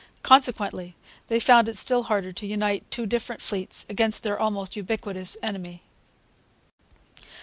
Consequently, they found it still harder to unite two different fleets against their almost ubiquitous enemy.